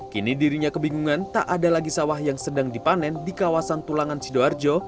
kini dirinya kebingungan tak ada lagi sawah yang sedang dipanen di kawasan tulangan sidoarjo